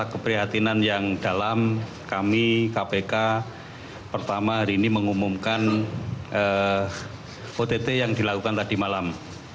kami kpk pertama hari ini mengumumkan ott yang dilakukan tadi malam